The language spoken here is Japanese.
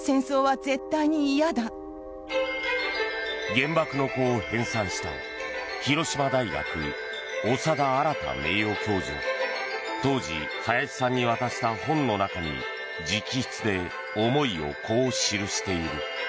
「原爆の子」を編纂した広島大学、長田新名誉教授は当時、早志さんに渡した本の中に直筆で、思いをこう記している。